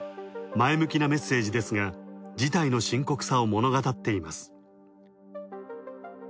前向きなメッセージですが事態の深刻さを物語っています。